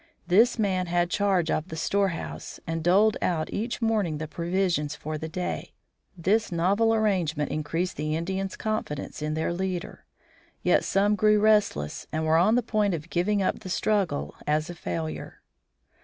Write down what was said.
This man had charge of the storehouse, and doled out each morning the provisions for the day. This novel arrangement increased the Indians' confidence in their leader. Yet some grew restless and were on the point of giving up the struggle as a failure.